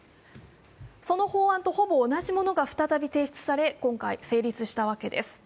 その法案とほぼ同じものが再び提出され、今回、成立したわけです。